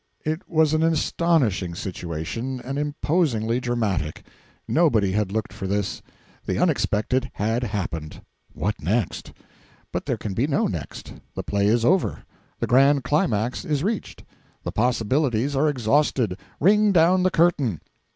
It was an astonishing situation, and imposingly dramatic. Nobody had looked for this. The unexpected had happened. What next? But there can be no next; the play is over; the grand climax is reached; the possibilities are exhausted; ring down the curtain.